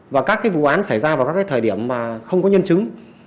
và các vụ án xảy ra vào các thời điểm mà không có nhân chứng